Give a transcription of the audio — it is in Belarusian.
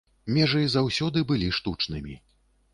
Межы заўсёды былі штучнымі.